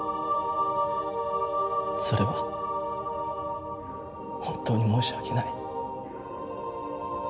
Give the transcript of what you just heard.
それは本当に申し訳ない。